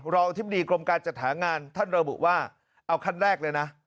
อธิบดีกรมการจัดหางานท่านระบุว่าเอาขั้นแรกเลยนะ